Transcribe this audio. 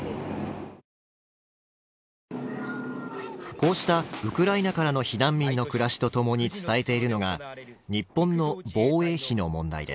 こうしたウクライナからの避難民の暮らしとともに伝えているのが日本の防衛費の問題です。